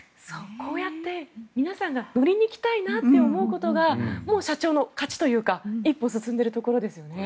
こうやって皆さんが乗りに行きたいなって思うことがもう社長の勝ちというか一歩進んでいるところですよね。